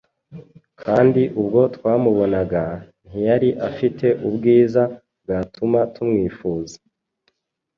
kandi ubwo twamubonaga, ntiyari afite ubwiza bwatuma tumwifuza.